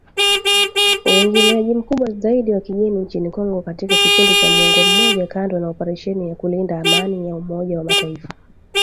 Uingiliaji mkubwa zaidi wa kigeni nchini Congo katika kipindi cha muongo mmoja kando na operesheni ya kulinda Amani ya Umoja wa Mataifa